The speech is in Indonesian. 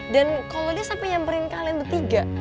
dan kalo dia sampe nyamperin kalian bertiga